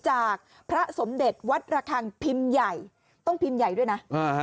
จากพระสมเด็จวัดระคังพิมพ์ใหญ่ต้องพิมพ์ใหญ่ด้วยนะอ่าฮะ